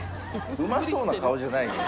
うまそうな顔じゃないのよ。